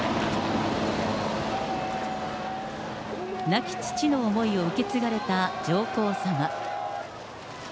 亡き父の思いを受け継がれた上皇さま。